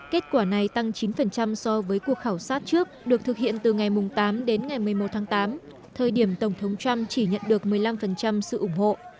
kết quả này tăng chín so với cuộc khảo sát trước được thực hiện từ ngày tám đến ngày một mươi một tháng tám thời điểm tổng thống trump chỉ nhận được một mươi năm sự ủng hộ